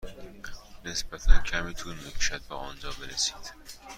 نسبتا کمی طول می کشد به آنجا برسید.